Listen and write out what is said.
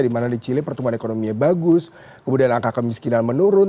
dimana di chile pertumbuhan ekonominya bagus kemudian angka kemiskinan menurun